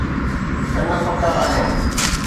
ڪن پڪا آهن.